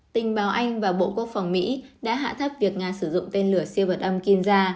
tình báo anh và bộ quốc phòng mỹ đã hạ thấp việc nga sử dụng tên lửa siêu vật âm kimza